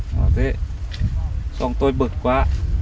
rồi thế xong tôi bực quá